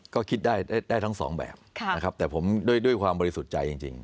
ก็คิดได้ได้ทั้งสองแบบนะครับแต่ผมด้วยความบริสุทธิ์ใจจริง